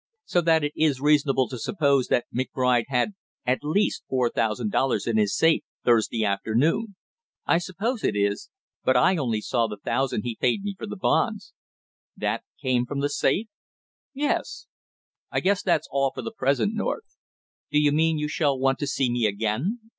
"So that it is reasonable to suppose that McBride had at least four thousand dollars in his safe Thursday afternoon." "I suppose it is, but I saw only the thousand he paid me for the bonds." "That came from the safe?" "Yes." "I guess that's all for the present, North." "Do you mean you shall want to see me again?"